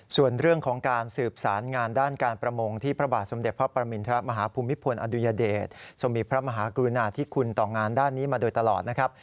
ส่วนเรื่องของการสืบสารงานด้านการประมงที่พระบาทสมเด็จพระประมินทรมาฮภูมิพลอดุญเดชทรงมีพระมหากรุณาธิคุณต่องานด้านนี้มาโดยตลอดนะครับ